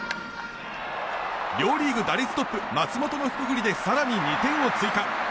両リーグ打率トップ松本のひと振りで更に２点を追加。